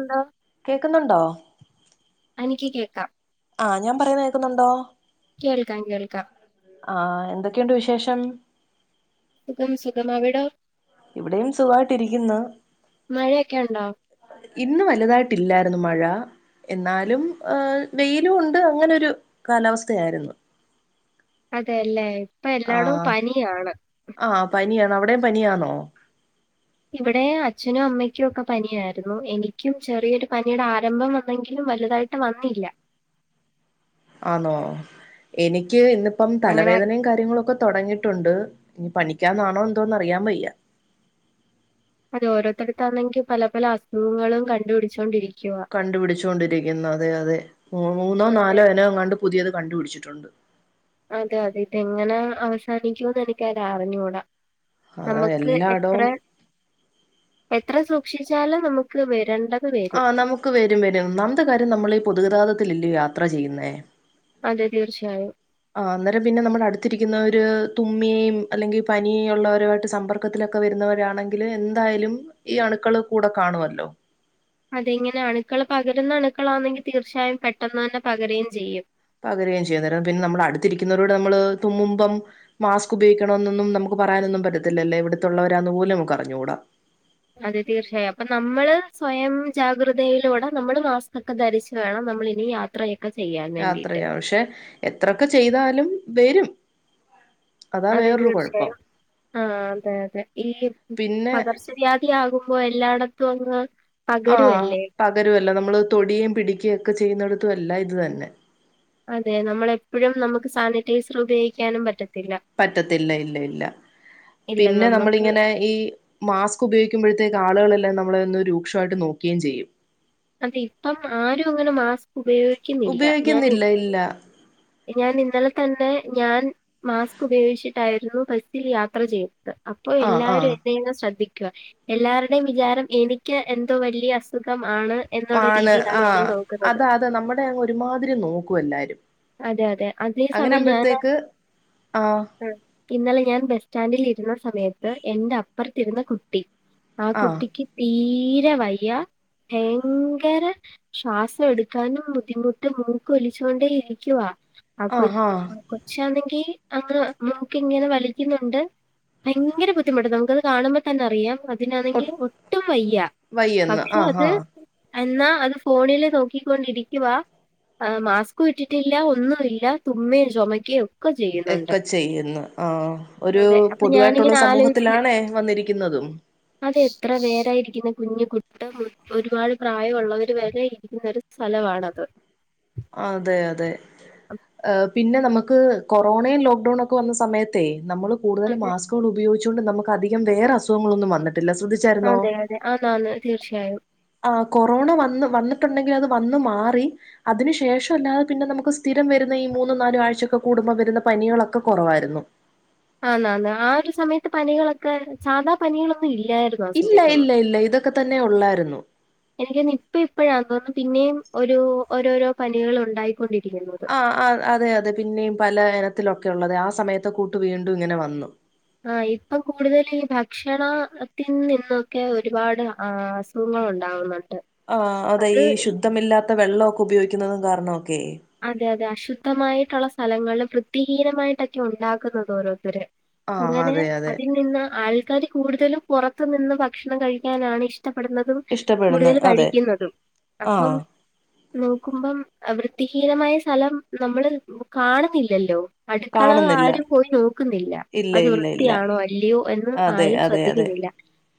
എന്ന കേൾക്കുന്നുണ്ടോ എനിക്ക് കേൾക്കാം ആഹ് ഞാൻ പറയുന്ന കേൾക്കുന്നുണ്ടോ കേൾക്കാം കേൾക്കാം ആഹ് എന്തൊക്കെയുണ്ട് വിശേഷം സുഖം സുഖം അവിടോ ഇവിടെയും സുഖായിട്ടിരിക്കുന്നു മഴയൊക്കെ ഉണ്ടോ ഇന്ന് വലുതായിട്ടില്ലായിരുന്നു മഴ എന്നാലും വെയിലും ഉണ്ട് അങ്ങനെരു കാലാവസ്ഥയായിരുന്നു അതെയല്ലേ ഇപ്പൊ എല്ലാടും ആഹ് പനിയാണ് ആഹ് പനിയാണ് അവിടെയും പനിയണോ ഇവിടെ അച്ഛനും അമ്മയ്ക്കും ഒക്കെ പനിയായിരുന്നു എനിക്കും ചെറിയൊരു പനിയുടെ ആരംഭം വന്നെങ്കിലും വലുതായിട്ട് ട്ട് വന്നില്ല ആണോ എനിക്ക് ഇന്നിപ്പം അങ്ങനെ തലവേദനയും കാര്യങ്ങളും ഒക്കെ തുടങ്ങിയിട്ടുണ്ട് ഇനി പണിക്കാന്നാണോ എന്തോന്ന് അറിയാൻ വയ്യ അത് ഓരോത്തര്ട്ത്താണെങ്കി പല പല അസുഖങ്ങളും കണ്ടുപിടിച്ചോണ്ടിരി കണ്ടു പിടിചോണ്ടിരിയ്ക്കുന്നു അതെ അതെ മൂന്നോ അതെ നാലോ ഇനോ അങ്ങാണ്ട് പുതിയത് കണ്ടുപിടിച്ചിട്ടുണ്ട് അതെ അതെ ഇതെങ്ങനെ അവസാനിക്കും എനിക്ക് അത് അറിഞ്ഞൂടാ അതാ നമുക്ക് എത്ര എല്ലായിടവും എത്ര സൂക്ഷിച്ചാലും നമുക്ക് വെരണ്ട ആഹ് നമുക്ക് വരും വരും ഒന്നാമത്തെ കാര്യം നമ്മൾ പൊതുഗതാഗത്തിലല്ലയോ യാത്ര ചെയ്യുന്നേ അതെ തീർച്ചയായും ആഹ് അന്നേരം പിന്നെ നമ്മുടെ അടുത്തിരിക്കുന്നവര് തുമ്മീം അല്ലെങ്കി പനീയൊള്ളോവരുവായിട്ട് സമ്പർ ക്കത്തിലൊക്കെ വരുന്നവരാണെങ്കില് എന്തായാലും ഈ അണുക്കൾ കൂടെ കാണുവല്ലോ അതെ ഇങ്ങനെ അണുക്കൾ പകരുന്ന അണുക്കളാണെങ്കിൽ തീർച്ചയായും പെട്ടെന്ന് തന്നെ പകരേം ചെയ്യും പകരേം ചെയ്യും അന്നേരം പിന്നെ നമ്മള് അടുത്തിരിക്കുന്നവരോട് നമ്മള് തുമ്മുമ്പം മാസ്ക് ഉപയോഗിക്കണം എന്നൊന്നും നമുക്ക് പറയാനൊന്നും പറ്റത്തില്ലേ എവിടുത്തുള്ളവരാന്ന് പോലും നമുക്ക് അഞ്ഞുകൂടാ അതെ തീർച്ചയായും അപ്പൊ നമ്മള് സ്വയം ജാഗ്രതയിലൂടെ നമ്മള് മാസ്ക്ക് ഒക്കെ ധരിച്ച് വേണം നമ്മൾ ഇനി യാ യാത്രയൊക്കെ ചെയ്യാൻ വേണ്ടീട്ട്. യാത്രയ്യാൻ പക്ഷെ എത്രൊക്കെ ചെയ്താലും വരും അതാ അതെ വേറൊരു കുഴപ്പം തീർച്ചയായും ആഹ് അതെ അതെ ഈ പിന്നെ പകർച്ച വ്യാദി ആകുമ്പോ എല്ലായിടത്തും അങ്ങ് ആഹ് പകരുവല്ലേ. പകരുവല്ലൊ നമ്മള് തൊടിയെം പിടിക്ക്യം ഒക്കെ ചെയ്യുന്നിടത്തും എല്ലാം ഇത് തന്നെ അതെ നമ്മളെപ്പെഴും നമുക്ക് സാനിറ്റൈസർ ഉപയോഗിക്കാനും പറ്റത്തില്ല പറ്റത്തില്ല ഇല്ല ഇല്ല ഇല്ല പിന്നെ നമ്മക്ക് നമ്മളിങ്ങനെ ഈ മാസ്ക് ഉപയോഗിക്കുമ്പോഴത്തേക്ക് ആളുകളെല്ലാം നമ്മളെ ഒന്ന് രൂക്ഷവായിട്ട് നോക്യേം ചെയ്യും അത് ഇപ്പം ആരും അങ്ങനെ മാസ്ക് ഉപയോഗിക്കുന്നില്ല ഞാന് ഉപയോഗിക്കുന്നില്ല ഇല്ല ഞാനിന്നലെ തന്നെ ഞാൻ മാസ്ക് ഉപയോഗിച്ചിട്ടായിരുന്നു ബസിൽ യാത്ര ചെയ്ത് അ പ്പൊ ആഹ് എല്ലാവരും ആഹ് എന്നെയിങ്ങ് ശ്രദ്ധിക്കുവ എല്ലാര്ടിം വിചാരം എനിയ്ക്ക് എന്തോ വല്യെ അസുഖം ആണ് എന്നുള്ള ആണ് രീതിയിലാണ് എന്നെ ആഹ് നോക്കുന്നത്. അത അത നമ്മുടെ അങ്ങ് ഒരുമാതിരി നോക്കും എല്ലാരും അതെ അതെ അതേ അങ്ങനെ സമയം ഞാനാ ആകുമ്പോഴത്തേക്ക് ആഹ് അഹ് ഇന്നലെ ഞാൻ ബസ് സ്റ്റാൻഡിൽ ഇരുന്ന സമയത്ത് എന്റെ അപ്പർത്തിര്ന്ന കുട്ടി ആ ആഹ് കുട്ടിക്ക് തീരെ വയ്യ ഭയങ്കര ശ്വാസം എടുക്കാനും ബുദ്ധിമുട്ട് മൂക്ക് ഒലിച്ചോണ്ടേ ഇരി ക്യുവാ ആ കൊച് ആഹ് ആഹ് കൊച്ചാണെങ്കി അങ്ങനെ മൂക്ക് ഇങ്ങനെ വലിക്ക്യുന്നുണ്ട് ഭയങ്ക ബുദ്ധിമുട്ട് നമുക്കത് കാണുമ്പോ തന്നെ അറിയാം ഒ തിനാണെങ്കിൽ ഒട്ടും വയ്യ വയ്യെന്ന് പക്ഷെ ആഹ് അത് ആഹ് എന്നാ അത് ഫോണില് നോക്കിക്കൊണ്ടിരിക്കുവ മാസ്കുഇട്ടി ട്ടില്ല ഒന്നുവില്ല തുമ്മേം ചൊമക്കേം ഒക്കെ ചെയ്യുന്നു ആഹ് ഒരു അതെ. അപ്പൊ പൊതുവായിട്ടുള്ള ഞാനിങ്ങനെ സമൂഹത്തിലാണേ വന്നിരിക്കുന്നതും അതെ എത്ര പേരായിരിക്കുന്നത് കുഞ്ഞു കുട്ടം മുതൽ ഒരുപാട് പ്രായമുള്ളവര് ഇരിക്ക്യുന്നൊരു സ് സ്ഥലവാണത് അതെ അതെ ഏഹ് പിന്നെ നമുക്ക് കൊറോണയും ലോക്ക്ഡൌൺ ഒക്കെ വന്ന സമയത്തെയ് നമ്മള് കൂടുതല് അതെ. മാസ് ക്കോള് ഉയോഗിച്ചോണ്ട് നമുക്ക് അധികം വേറെ അസുഖങ്ങളൊന്നും വന്നിട്ടില്ല ശ്രദ്ധി അതെ അതെ ആന്ന് ആന്ന് തീർച്ചയായും ആഹ് കൊറോണ വന്ന് വന്നിട്ടുണ്ടെങ്കിൽ അത് വന്ന് മാറി അതിനു ശേഷം അല്ലാതെ പിന്നെ നമുക്ക് സ്ഥിരം വരുന്ന ഈ മൂന്നു നാല് ആഴ്ചൊക്കെ കൂടുമ്പോൾ വരുന്ന പനികളൊക്കെ കൊറവായിരുന്നു ആന്ന് ആന്ന് ആ ഒരു സമയത്ത് പനികളൊക്കെ സാധാ പനികളൊന്നും ഇല്ലായിരുന്നു ആ ഇല്ല സമയത്തൊന്നും. ഇല്ല ഇല്ല ഇതൊക്കെ തന്നെ ഒള്ളായിരുന്നു എനിക്കന്ന് ഇപ്പ ഇപ്പഴാ തോന്നുന്നു പിന്നെയും ഒരു ഓരോരോ പനികൾ ഉണ്ടായിക്കൊണ്ടിരിക്കുന്നത് ആഹ് ആഹ് അതെ അതെ പിന്നെയും പല എനത്തിലൊക്കെ ഉള്ളത് ആ സമയത്തെ കൂട്ട് വീണ്ടും ഇങ്ങനെ വന്നു ആഹ് ഇപ്പം കൂടുതല് ഈ ഭക്ഷണം ത്തിൽ നിന്നൊക്കെ ഒരുപാട് ആ സു സുഖങ്ങളൊണ്ടാവുന്നുണ്ട് ആഹ് അതെ ഈ ശുദ്ധമില്ലാത്ത വെള്ളവൊക്കെ ഉപയോഗിക്കുന്നതും കാരണം വൊക്കേയ് അതെ അതെ അശുദ്ധമായിട്ടുള്ള സ്ഥലങ്ങൾള് വൃത്തിഹീനമായിട്ടൊക്കെ ഉണ്ടാക്കുന്നുന്നത് ഓരോരുത്തര് ആഹ് അങ്ങനെ അതെ അതെ അതിൽ നിന്ന് ആൾക്കാര് കൂടുതലും പൊറത്തു നിന്ന് ഭക്ഷണം കഴിക്കാനാണ് ഇഷ്ടപ്പെടുന്നതും ഇഷ്ടപ്പെടുന്ന കൂടുതല് അതെ കഴിക്കുന്നതും അപ്പം ആഹ് നോക്കുമ്പം വൃത്തിഹീനമായ സ്ഥലം നമ്മള് കാണുന്നില്ലല്ലോ അടുക്കള കാണുന്നില്ല ആരും പോയി നോക്ക്‌ന്നില്ല ഇല്ല അത് ഇല്ല ഇല്ല വൃത്തിയാണോ അല്ലയോ എന്ന് അതെ ആരും അതെ അതെ ശ്രദ്ധിക്കുന്നില്ല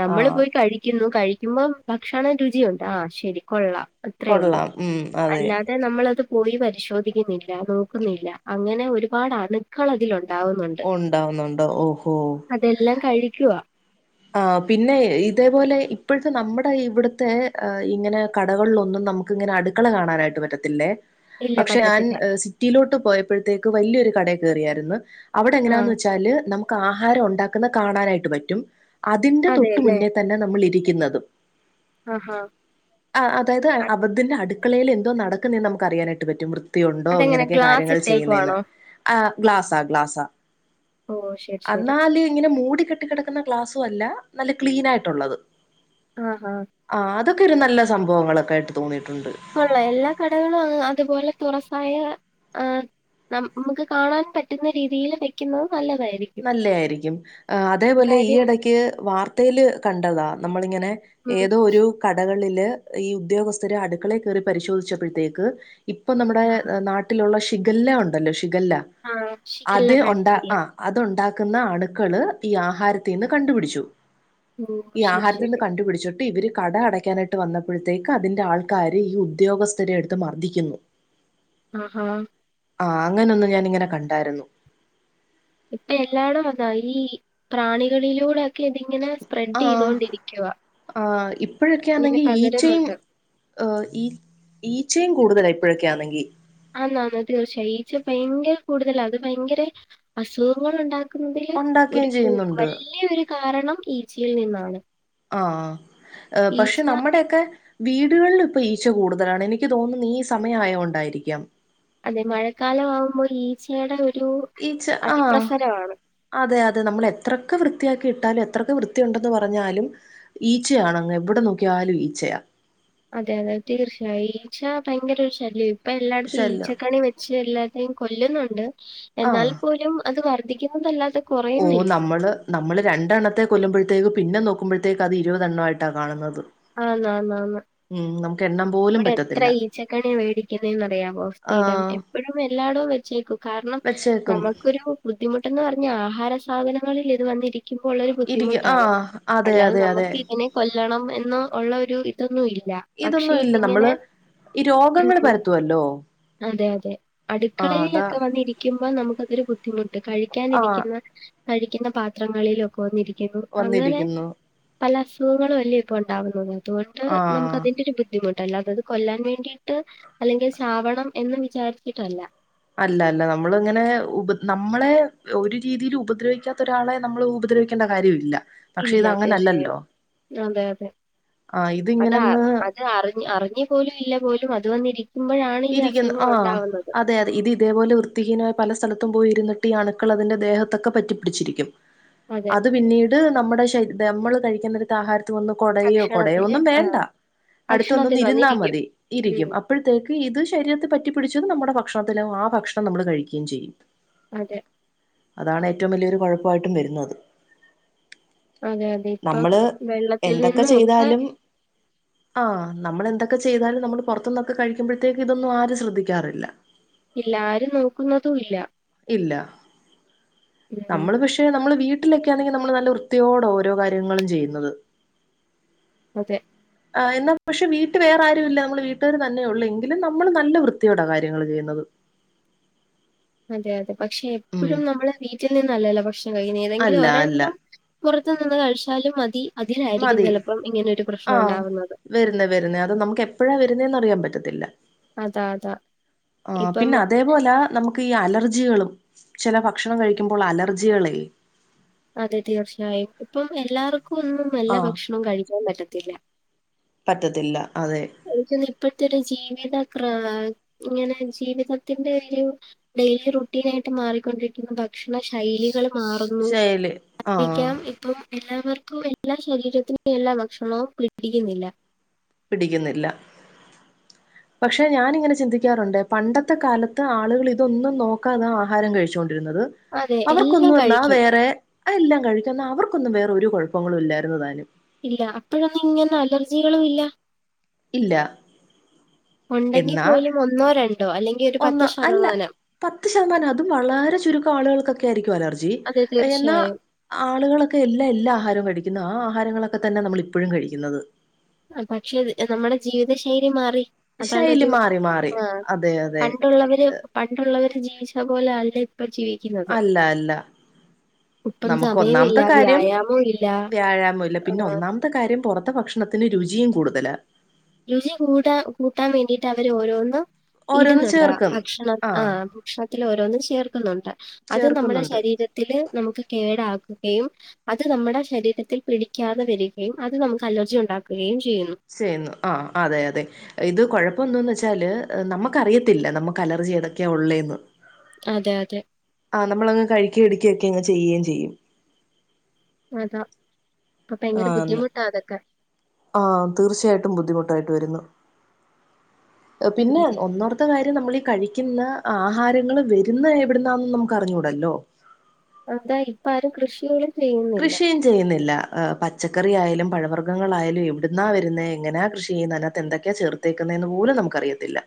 നമ്മള് ആഹ് പോയി കഴിക്കുന്നു കഴിക്കുമ്പം ഭക്ഷണം രുചിയുണ്ട് ആഹ് ശരി കൊള്ളാം അത്രേ ഉള്ളൂ കൊള്ളാം ഉം അതെ അല്ലാതെ നമ്മളത് പോയി പരിശോധിക്കുന്നില്ല നോക്കുന്നില്ല അങ്ങനെ ഒരുപാട് അണുക്കൾ അതിലുണ്ട് ഉണ്ടാവുന്നുണ്ട് ഓ ഹോ ഇതെല്ലാം കഴിക്കുവാ ആഹ് പിന്നെ ഇതേപോലെ ഇപ്പോഴത്തെ നമ്മുടെ ഇവിടുത്തെ ഇങ്ങനെ കടകളിലൊന്നും നമ് ക്ക്ങ്ങനെ അടുക്കള കാണാനായിട്ട് പറ്റത്തില്ലേ ഇല്ല പക്ഷെ ഞാൻ പറ്റത്തില്ല സിറ്റിയിലോട്ട് പോയപ്പഴത്തേക്ക് വല്യൊരു കടേ കേറിയാര്ന്ന് അവിടെ ആ എങ്ങനാന്ന് വെച്ചാല് നമുക്ക് ആഹാരം ഉണ്ടാക്കുന്നത് കാണാനായിട്ട് പറ്റും അതിറെ തൊട്ട് അതെയല്ലേ മുന്നേ തന്നെ നമ്മൾ ഇരിക്കുന്നതും ആഹ് ഹാ ആ അതായത് അബദ്ധിന്റെ അടുക്കളയിൽ എന്തോ നടക്കുന്ന എന്ന് നമുക്ക് അറിയാനായിട്ട് പറ്റും വൃ ത്തി ഉണ്ടോ അതെങ്ങനെ എങ്ങനൊക്കെ ഗ്ലാസ് കാര്യങ്ങൾ ചെയ്യുന്നെന്ന് ഇട്ടേക്കുവാണോ ആ ഗ്ലാസ ഗ്ലാസ ഓ ശരി ശരി എന്നാല് ഇങ്ങനെ മൂടി കെട്ടി കിടക്കുന്ന ഗ്ലാസ് അല്ല നല്ല ക്ലീൻ ആയിട്ടുള്ളത് ആ ഹ ആ അതൊക്കെ ഒരു നല്ല സംഭവങ്ങളൊക്കെ ആയിട്ട് തോന്നിയിട്ടുണ്ട് ഉള്ള എല്ലാ കടകളും അതുപോലെ തുറസായ ആഹ് ന നമുക്ക് കാണാൻ പറ്റുന്ന രീതിയിൽ വെക്കുന്നുന്നത് നല്ലതായിരിക്കും നല്ല ആയിരിക്കും അതേപോലെ ഈ കാര്യം ഇടക്ക് വാർത്തയിൽ കണ്ടതാ നമ്മളിങ്ങനെ ഉം, ഏതോ ഒരു കടകളില് ഈ ഉദ്യോഗസ്ഥര് അടുക്കളെ കയറി പരിശോധിച്ചപ്പോഴത്തേക്ക് ഇപ്പൊ നമ്മുടെ നാട്ടിലുള്ള ഷിഗല്ല ഉണ്ടല്ലോ ഷിഗല്ല ആ ശിഗല്ല അത് ഒണ്ട ബാക്ടീരിയ ആ അതുണ്ടാക്കുന്ന അണുക്കള് ഈ ആഹാരത്തിൽ നിന്ന് കണ്ടുപിടിച്ചു ഓ ഈ ശരി ആഹാരത്തിന്ന് ശരി കണ്ടുപിടിച്ചു ഇവര് കട അടയ്ക്കാനായിട്ട് വന്നപ്പോഴത്തേക്ക് അതിന്റെ ആൾക്കാര് ഈ ഉദ്യോഗസ്ഥരെ എടുത്ത് മർദ്ദിക്കുന്നു ആ ഹ ആഹ് അങ്ങനൊന്ന് ഞാനിങ്ങനെ കണ്ടായിരുന്നു ഇപ്പ എല്ലാടും അത ഈ പ്രാണികളിലൂടെ ക്കെ ഇതിങ്ങനെ സ്പ്രെഡ് ആ ചെയ്തോണ്ടിരിക്കുക ആ ഇപ്പോഴൊക്കെ ഇങ്ങനെ ആണെങ്കി ഈച്ചയും പകരുന്നുണ്ട് ഈ ഈച്ചയും കൂടുതല ഇപ്പോഴൊക്കൊണെങ്കിൽ ആന്ന് ആന്ന് തീർച്ചയായും ഈച്ച ഭയങ്കര കൂടുതൽ അത് ഭയങ്കര അസുഖങ്ങൾ ഉണ്ടാ കുന്നേ ഉണ്ടാക്കുകയും ഒരു ചെയ്യുന്നുണ്ട് വല്യയ ഒരു കാരണം ഈച്ചയിൽ നിന്നാണ് ആഹ് പക്ഷെ ഈച്ച നമ്മുടെ ഒക്കെ വീടുകളിൽ ഇപ്പൊ ഈച്ച കൂടുതലാണ് എനിക്ക് തോന്നുന്നത് ഈ സമയമാ യോണ്ടായിരിക്കാം അതെ മഴക്കാലമാവുമ്പോൾ ഈച്ചയുടെ ഒരു ഈച്ച ആഹ് അതിപ്രസരമാണ് അതെ അതെ നമ്മൾ എത്രൊക്കെ വൃത്തിയാക്കി ഇട്ടാലും എത്രൊക്കെ വൃത്തി ഉണ്ടെന്ന് പറഞ്ഞാലും ഈച്ചയാണങ്ങ് എവിടെ നോക്കിയാലും ഈച്ചയാ അതെ അതെ തീർച്ചയായും ഈച്ച ഭയങ്കര ഒരു ശൈല്യം ഇപ്പൊ എല്ലായിടത്തും ശല്യം ഈച്ചക്കണി വെ അല്ലാതയും കൊല്ലുന്നുണ്ട് എന്നാൽ ആഹ് പോലും അത് വർധിക്കുന്നതല്ലാതെ ഓ നമ്മള് നമ്മള് രണ്ടെണ്ണത്തെ കൊല്ലുമ്പോഴത്തേക്ക് പിന്നെ നോക്കുമ്പോഴത്തേക്ക് അത് ഇരുപതെണ്ണമായിട്ടാണ് കാണുന്നത് ആന്ന് ആന്ന് ആന്ന് ഉം നമുക്ക് എണ്ണം പോലും ഇവിടെ എത്ര പറ്റത്തില്ല ഈച്ചക്കണി മേടിക്കുന്നന്ന്റിയാവോ സ്ഥിരം ആഹ് എപ്പഴും എല്ലായിടും വെച്ചേക്കും കാരണം വെച്ചേക്കും നമുക്കൊരു ബുദ്ധിമുട്ടന്ന് പറഞ്ഞ ആഹാര സാധനങ്ങളിൽ ഇത് വന്നിരി ക്കുമ്പൊള്ളരു ഇരിക്കും ബുദ്ധിമുട്ടാണ് ആഹ് അതെ അല്ലാതെ അതെ അതെ നമുക്ക് ഇതിനെ കൊല്ലണം എ ന്ന് ഉള്ള ഒരു ഇതൊന്നും ഇല്ല പക്ഷെ ഇതൊന്നും ഇല്ല ഇതിങ്ങനെ നമ്മള് ഈ രോഗങ്ങൾ ഉം പരത്തുവല്ലോ അതെ അതെ ആഹ് അതാ അടുക്കളയിലൊക്കെ വന്നിരിക്കുമ്പോ നമുക്കതൊരു ബുദ്ധിമു ട്ട് ആഹ് കഴിക്കാനിരിക്കുന്ന കഴിക്കുന്ന പാത്രങ്ങളിലൊക്കെ വന്നിരിക്കുന്നു അങ്ങനെ വന്നിരിക്കുന്നു പല അസുഖങ്ങളും വല്ല ഇപ്പ ഉണ്ടാകുന്നത് അതുകൊണ്ട് നമുക്ക് ആഹ് അതിന്റെ ഒരു ബുദ്ധിമുട്ടല്ല അല്ലാതത് കൊല്ലാൻ വേണ്ടിട്ട് അല്ലെങ്കിൽ ചാവണം എന്ന് വിചാരിച്ചിട്ടല്ല. അല്ല അല്ല നമ്മളിങ്ങനെ ഉപ നമ്മളെ ഒരു രീതിയിൽ ഉപദ്രവിക്കാത്ത ഒരാളെ നമ്മൾ ഉപദ്ര വിക്കണ്ട കാര്യം ഇല്ല ഇല്ല തീർച്ചയായും അതെ അതെ ആ അത് ഇതിങ്ങനങ്ങ് അത് അറി അറിഞ്ഞു പോലും ഇല്ല പോലും അത് വന്നിരിക്കുമ്പഴാണ് ഈ അസുഖം ഉണ്ടാവുന്നത്. അതെതെ ഇതേപോലെ വൃത്തിഹീനായ പല സ്ഥലത്തും പോയിരുന്നിട്ട് ഈ അണുക്കൾ അതിന്റെ ദേഹത്തൊക്കെ പറ്റിപ്പിടിച്ചിരിക്കും. അതെ അത് പിന്നീട് നമ്മുടെ ശരിരം നമ്മള് കഴിക്കുന്ന ആഹാരത്തി വന്ന് കൊടയോ ഭക്ഷണത്തില് കൊടയൊന്നും ആ, വേണ്ട അടുത്തൊന്ന് ഭക്ഷണത്തിൽ വന്ന് ഇരുന്നാൽ വന്നിരിക്കും മതി ഉം ഇരിക്കും- അപ്പഴത്തേക്ക് ഇത് ശരീരത്തെ പറ്റിപ്പിടിച്ചത് നമ്മുടെ ഭക്ഷണത്തിലാവും ആ ഭക്ഷണം നമ്മള് കഴിക്കുകയും ചെയ്യും. അതെ അതാണ് ഏറ്റവും വലിയൊരു കൊഴപ്പായിട്ടും വരുന്നത്. അതെ അതെ ഇപ്പം നമ്മള് വെള്ളത്തിൽ എന്തൊക്കെ നിന്നും ഒക്കെ ചെയ്താലും- ആഹ് നമ്മളെന്തൊക്കെ ചെയ്താലും നമ്മള് പൊറത്ത്ന്നൊക്കെ കഴിക്കുമ്പഴ ത്തേക്ക് ഇതൊന്നും ആരും ശ്രദ്ധിക്കാറില്ല. ഇല്ല ആരും നോക്കുന്നതും ഇല്ല. ഇല്ല ഉം. നമ്മള് പക്ഷെ - പക്ഷെ നമ്മള് വീട്ടിലൊക്കെയാണെങ്കി നമ്മള് നല്ല വൃത്തിയോടെ ഓരോ കാര്യങ്ങളും ചെയ്യുന്നത്. അതെ ആഹ് എന്നാ പക്ഷെ വീട്ട് വേറെ ആരും ഇല്ല നമ്മള് വീട്ടുകാർ തന്നെ ഉള്ളെ ങ്കിലും നമ്മള് നല്ല വൃത്തിയോടെ കാര്യങ്ങൾ ചെയ്യുന്നത്. അതെ അതെ പക്ഷെ ഉം എപ്പഴും നമ്മള് വീട്ടിൽ നിന്നല്ലല്ലോ ഭക്ഷണം കഴിയുന്നേ ഏതെങ്കിലും അല്ല അല്ല ഒരെണ്ണം- പുറത്ത് നിന്ന് കഴിച്ചാലും മതി അതിലായിരിക്കും മതി ചെലപ്പോ ഇങ്ങനെ ഒരു പ്രശ്നം ആഹ് ഉണ്ടാവുന്നത്. വരുന്നേ വരുന്നേ അത് നമുക്ക് എപ്പഴാ വരുന്നേന്ന് അറിയാൻ പറ്റത്തില്ല. അതാ, അതാ. ആഹ് ഇപ്പം പിന്നെ അതേപോല നമുക്ക് ഈ അലർജികളും ചെല ഭക്ഷണം കഴിക്കുമ്പോൾ അലർജികളെ അതെ തീർച്ചയായും ഇപ്പം എല്ലാവർക്കും ഒന്നും നല്ല ആഹ് ഭക്ഷണം കഴിക്കാൻ പറ്റത്തില്ല. പറ്റത്തില്ല അതെ എനിക്ക് തൊന്നുന്നു ഇപ്പഴത്തെ ഒരു ജീവിത ക്ര ഇങ്ങനെ ജീവിതത്തിന്റെ ഒരു- ഡെയിലി റൊട്ടീൻ ആയിട്ട് മാറിക്കൊണ്ടിരിക്കുന്ന ഭക്ഷണ ശൈലികളും- മാറുന്നു ശൈലി ആഹ് അതായിരിക്കാം ഇപ്പം- എല്ലാവർക്കും എല്ലാ ശരീരത്തിനും എല്ലാ ഭക്ഷണവും പിടിക്കുന്നില്ല. പിടിക്കുന്നില്ല പക്ഷെ ഞാൻ ഇങ്ങനെ ചിന്തിക്കാറുണ്ട് പണ്ടത്തെ കാലത്ത് ആളുകൾ ഇതൊന്നും നോക്കാതെ ആഹാരം കഴിച്ചോണ്ടിരുന്നത്. അതെ എല്ലാം അവർക്കൊന്നും എന്നാ കഴിക്കും വേറെ എല്ലാം കഴിക്കാം അവർക്കൊന്നും വേറെ ഒരു കൊഴപ്പങ്ങളും ഇല്ലായിരുന്നതാനും. ഇല്ല അപ്പഴൊന്നും ഇങ്ങനെ അലർജികളുയില്ല ഇല്ല ഒണ്ടെങ്കിൽ എന്നാ പോലും ഒന്നോ രണ്ടോ അല്ലെങ്കിൽ ഒരു ഒന്ന് പത്ത് അല്ല ശതമാനം പത്ത് ശതമാനം അതും വളരെ ചുരുക്കം ആളുകൾക്കൊക്കെ ആയിരിക്കും അലർജി അതെ എന്നാ തീർച്ചയായും ആളുകളൊക്കെ എല്ലാ എല്ലാ ആഹാരവും കഴിക്കുന്നു ആ ആഹാരങ്ങളൊക്കെ തന്നെ നമ്മള് ഇപ്പഴും കഴിക്കുന്നത്. ആ പക്ഷെ നമ്മുടെ ജീവിത ശൈലി മാറി അതാണ് ശൈലി ഒരു മാറി മാറി ആ അതെ അതെ പണ്ടുള്ളവര്- പണ്ടുള്ളവര് ജീവിച്ച പോലെ അല്ല ഇപ്പം ജീവിക്ക- അല്ല അല്ല ഇപ്പം നമുക്ക് സമയമില്ല ഒന്നാമത്തെ കാര്യം വ്യായാമവും ഇല്ല വ്യായാമില്ല പിന്നെ ആ, ഒന്നാമത്തെ- ത്തെ കാര്യം പൊറത്ത ഭക്ഷണത്തിന് രുചിയും കൂടുതല രുചി കൂടാ കൂട്ടാൻ വേണ്ടിട്ട് അവര് ഓരോന്നും ഓരോന്ന് ഇടുന്നുണ്ട് ചേർക്കും ഭക്ഷണം ആഹ് ഭക്ഷണത്തിൽ ഓരോന്നും ചേർക്കുന്നുണ്ട് അത് നമ്മുടെ ചേർക്കുന്നുണ്ട് ശരീരത്തില് നമുക്ക് കേടാക്കുകയും- അത് നമ്മുടെ ശരീരത്തിൽ പിടിക്കാതെ വരികയും അത് നമുക്ക് അലർജി ഉണ്ടാക്കുകയും ചെയ്യുന്നു ചെയ്യുന്നു ആ അതെ അതെ ഇത് കൊഴപ്പം എന്തുവാന്ന് വെച്ചാല് നമുക്കറിയത്തില്ല നമ്മുക്ക് അലർജി ഏതൊക്കെയാ ഉള്ളേന്ന് അതെ അതെ ആ നമ്മളങ്ങ് കഴിക്കുകയും എ ടുക്കുകയൊക്കെ അങ്ങ് ചെയ്യുകയും ചെയ്യും അതാ അപ്പ ഭയങ്കര ബുദ്ധിമുട്ടാ അതൊക്കെ ആ തീർച്ചയായിട്ടും ബുദ്ധിമുട്ടായിട്ട് വരുന്നു പിന്നെ ഉം. ഒന്ന് ഓ - മത്തെ കാര്യം നമ്മള് ഈ കഴിക്കുന്ന ആഹാരങ്ങൾ വരുന്ന എവിടുന്നാണെന്ന് നമുക്ക് അറിഞ്ഞുകൂടല്ലോ എന്താ ഇപ്പ ആരും കൃഷിയോട്- കൃഷി ചെയ്യുന്നില്ല, ആ പച്ചക്കറി ആയാലും പഴവർഗങ്ങളായാലും എവ്ടുന്നാ വെരുന്നേ എങ്ങനാ കൃഷി ചെയ്യുന്നേതിനാത്ത് എന്തൊക്കെയെ ചേർ ത്തേക്കുന്നേന്ന് പോലും നമുക്കറിയത്തില്ല.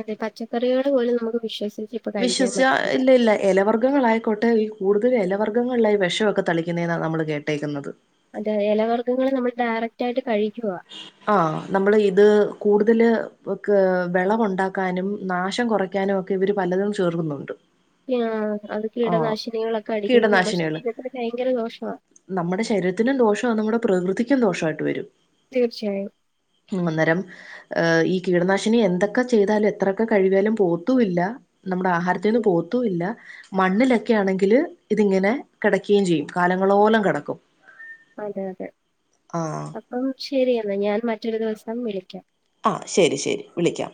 അതെ പച്ചക്കറികള്പോലും നമുക്ക് വിശ്വസിച്ച് ഇപ്പൊ കഴിക്കാൻ വിശ്വസിച്ച പറ്റത്തില്ല ഇല്ല ഇല്ല എലവർഗ്ഗങ്ങളായി കോട്ടൽ കൂടുതൽ എലവർഗ്ഗങ്ങൾലാ ഈ വെഷൊക്കെ തളിക്കുന്നെന്നാ നമ്മള് കേട്ടേക്ക്ന്നത്. അതെ, എലവർഗ്ഗങ്ങള് നമ്മൾ ഡയറക്റ്റായിട്ട് കഴിയ്ക്കുവാ. ഹാ നമ്മള് ഇത് കൂട്തല് [unintelligible] വെളവുണ്ടാക്കാനും നാശം കുറ യ്ക്കാനും ഒക്കെ ഇവര് പലതും ചേർക്കുന്നുണ്ട്. ആ അത് ആഹ് കീടനാശിനികളൊക്കെ അടിയ്ക്കുന്നത് നമ്മ കീടനാശിനികള്. ശരീരത്തിന് ഭയങ്കര ദോഷവാ നമ്മടെ ശരീരത്തിനും ദോഷവാ നമ്മുടെ പ്രകൃതിയ്ക്കും ദോഷവായിട്ട് വെരും. തീർച്ചയായും. അന്നേരം ഏഹ് ഈ കീടനാശിനി എന്തൊക്കെ ചെയ്താലും എത്രൊക്കെ കഴിവ്യാലും പോവത്തുല്ല. നമ്മടെ ആഹാരത്തിന്ന് പോവത്തുല്ല മണ്ണിലൊക്കെ ആണെങ്കില് ഇതിങ്ങനെ കെടക്കെയും ചെയ്യും കാലങ്ങളോലം കെടക്കും. അതെ, അതെ അപ്പം ശെരിയെന്നാ ഞാൻ മറ്റൊരു ദിവസം വിളിയ്ക്കാം. ആഹ് ശെരി, ശെരി വിളിയ്ക്കാം.